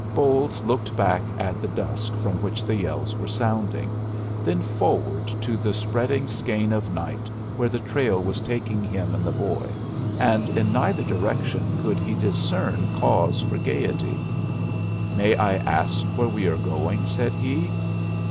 Bolles looked back at the dusk from which the yells were sounding, then forward to the spreading skein of night where the trail was taking him and the boy, and in neither direction could he discern cause for gayety. "May I ask where we are going?" said he.